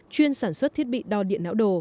chuyên sản xuất thiết bị đo điện não đồ